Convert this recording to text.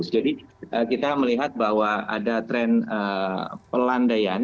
jadi kita melihat bahwa ada tren pelandaian